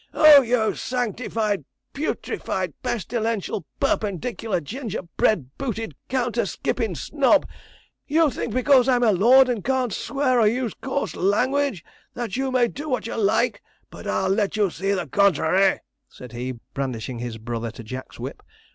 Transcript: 'Oh, you sanctified, putrified, pestilential, perpendicular, gingerbread booted, counter skippin' snob, you think because I'm a lord, and can't swear or use coarse language, that you may do what you like; but I'll let you see the contrary,' said he, brandishing his brother to Jack's whip.